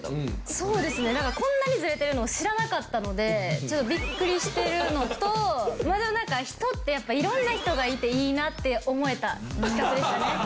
そうですねなんかこんなにズレてるのを知らなかったのでちょっとビックリしてるのとまたなんか人ってやっぱ色んな人がいていいなって思えた企画でしたね。